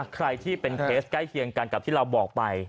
ใครที่เป็นเคสใกล้เคียงกันกับที่เราบอกไป